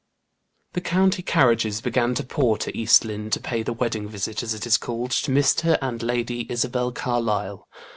The county carriages began to pour to East Lynne, to pay the wedding visit, as it is called, to Mr. and Lady Isabel Carlyle.